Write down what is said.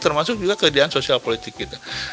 termasuk juga keadaan sosial politik kita